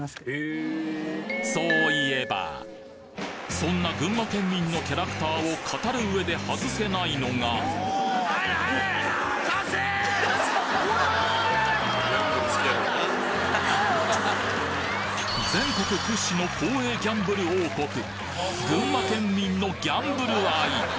そんな群馬県民のキャラクターを語る上で外せないのが群馬県民のギャンブル愛！